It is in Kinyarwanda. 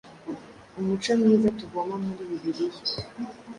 Umuco mwiza tuvoma muri Bibiliya